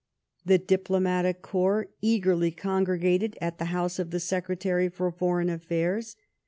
The diplomatic corps eagerly congregated at the house of the Secretary for Foreign AflFairs.